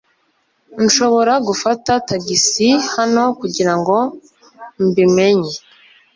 Nshobora gufata tagisi hano kugirango mbi menye